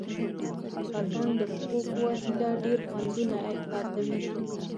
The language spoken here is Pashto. پتنګ د پښو په وسیله ډېر خوندونه احساسوي.